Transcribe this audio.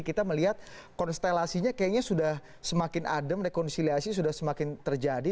kita melihat konstelasinya kayaknya sudah semakin adem rekonsiliasi sudah semakin terjadi